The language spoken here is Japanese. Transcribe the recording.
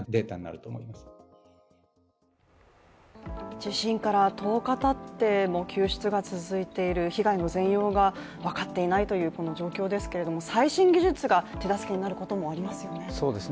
地震から１０日たっても救出が続いている、被害の全容が分かっていないというこの状況ですけれども、最新技術が手助けになることもありますよね。